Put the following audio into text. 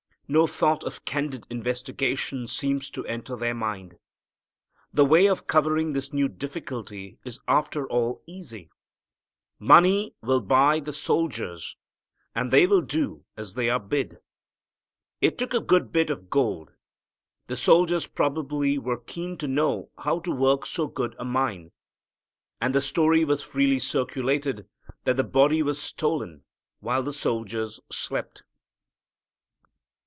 No thought of candid investigation seems to enter their mind. The way of covering this new difficulty is after all easy. Money will buy the soldiers, and they will do as they are bid. It took a good bit of gold. The soldiers probably were keen to know how to work so good a mine. And the story was freely circulated that the body was stolen while the soldiers slept.